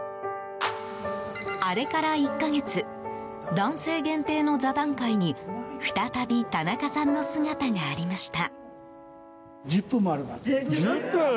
あれから１か月男性限定の座談会に再び、田中さんの姿がありました。